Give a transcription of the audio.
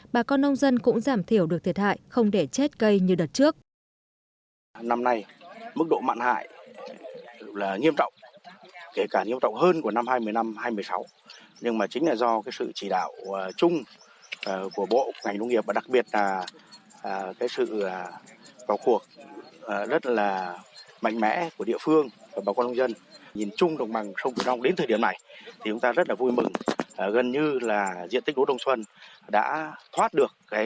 bà con nông dân cũng giảm thiểu được thiệt hại không để chết cây như đợt trước